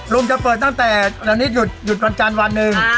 ลุงจะเปิดตั้งแต่อันนี้หยุดหยุดวันจานวันหนึ่ง